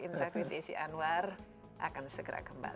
insakrit desi anwar akan segera kembali